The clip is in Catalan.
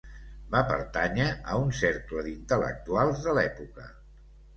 Va pertànyer a un cercle d'intel·lectuals de l'època.